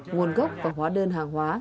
nguồn gốc và hóa đơn hàng hóa